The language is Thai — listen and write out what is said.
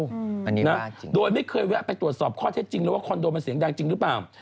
อันนี้นะโดยไม่เคยแวะไปตรวจสอบข้อเท็จจริงเลยว่าคอนโดมันเสียงดังจริงหรือเปล่า